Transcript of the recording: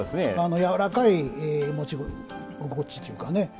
やわらかい持ち心地というか。